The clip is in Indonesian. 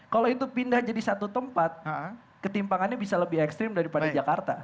kalau itu pindah jadi satu tempat ketimpangannya bisa lebih ekstrim daripada jakarta